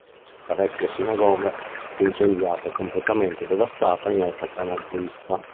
La vecchia sinagoga fu incendiata e completamente devastata in epoca nazista.